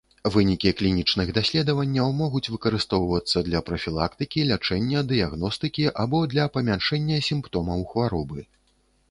Вынікі клінічных даследаванняў могуць выкарыстоўвацца для прафілактыкі, лячэння, дыягностыкі або для памяншэння сімптомаў хваробы.